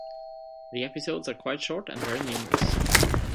The episodes are quite short and very numerous.